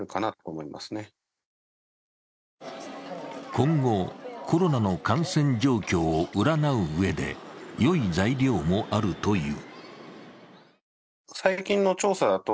今後コロナの感染状況を占ううえで、よい材料もあるという。